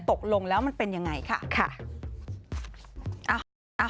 ตกลงแล้วมันเป็นอย่างไรค่ะค่ะอ้าว